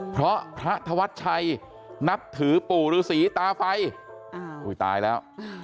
เพราะพระธวัชชัยนับถือปู่ฤษีตาไฟอุ้ยตายแล้ว